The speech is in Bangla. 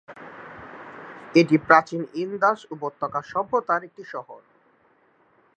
এটি প্রাচীন ইন্দাস উপত্যকা সভ্যতার একটি শহর।